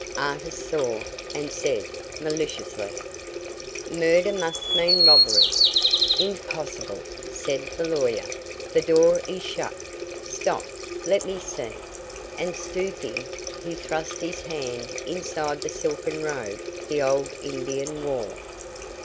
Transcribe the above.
Artis saw, and said maliciously: "Murder must mean robbery." "Impossible!" said the lawyer. "The door is shut. Stop. Let me see," and stooping, he thrust his hand inside the silken robe the old Indian wore.